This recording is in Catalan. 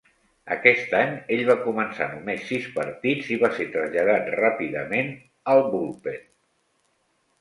Aquest any, ell va començar només sis partits i va ser traslladat ràpidament al bullpen.